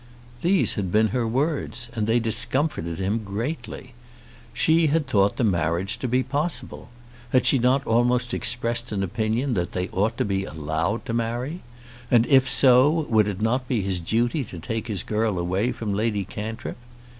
These had been her words, and they discomforted him greatly. She had thought the marriage to be possible. Had she not almost expressed an opinion that they ought to be allowed to marry? And if so, would it not be his duty to take his girl away from Lady Cantrip?